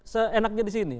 seenaknya di sini